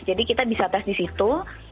jadi kita bisa tes disitu